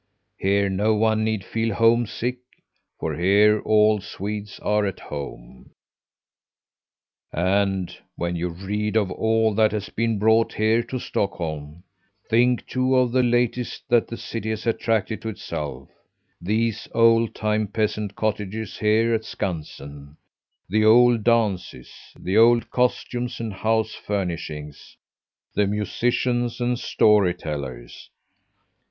Here no one need feel homesick, for here all Swedes are at home. "And when you read of all that has been brought here to Stockholm, think too of the latest that the city has attracted to itself: these old time peasant cottages here at Skansen; the old dances; the old costumes and house furnishings; the musicians and story tellers.